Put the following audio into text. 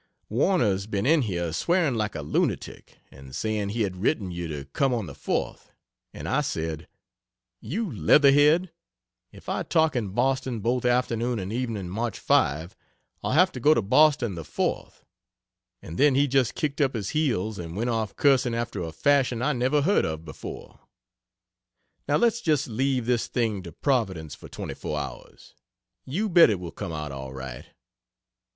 Warner's been in here swearing like a lunatic, and saying he had written you to come on the 4th, and I said, "You leather head, if I talk in Boston both afternoon and evening March 5, I'll have to go to Boston the 4th," and then he just kicked up his heels and went off cursing after a fashion I never heard of before. Now let's just leave this thing to Providence for 24 hours you bet it will come out all right.